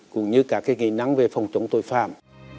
cũng như các kỹ năng về phòng chống tội phạm